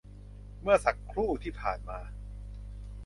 เมื่อสักครู่ที่ผ่านมา